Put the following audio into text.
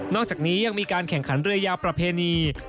อกจากนี้ยังมีการแข่งขันเรือยาวประเพณี